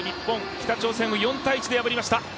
北朝鮮を４−１で破りました。